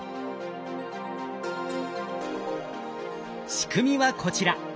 仕組みはこちら。